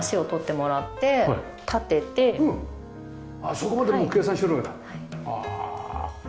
そこまでもう計算してるわけだ。はあ。